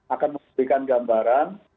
akan memberikan gambaran